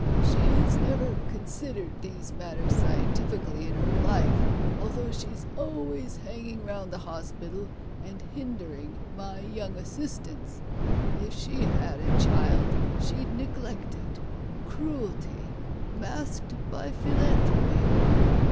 She has never considered these matters scientifically in her life, although she's always hanging round the Hospital, and hindering my young assistants. If she had a child, she'd neglect it. Cruelty — masked by Philanthropy!